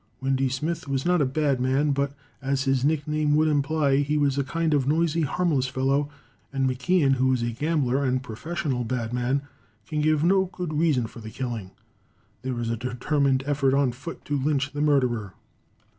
Windy Smith was not a bad man, but, as his nickname would imply, he was a kind of noisy, harmless fellow, and McKeon, who is a gambler and professional bad man, can give no good reason for the killing. There is a determined effort on foot to lynch the murderer.